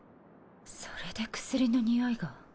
それで薬の匂いが。